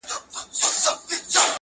له ملوک سره وتلي د بدریو جنازې دي -